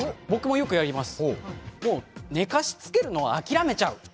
よくやります。